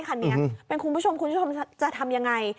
คนนี้คุณผู้ชมจะทำยังไง